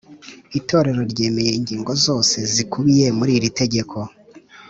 Itorero ryemeye ingingo zose zikubiye muri iritegeko